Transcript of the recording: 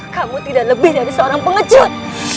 kamu tidak lebih dari seorang pengecut